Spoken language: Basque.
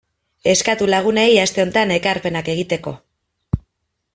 Eskatu lagunei aste honetan ekarpenak egiteko.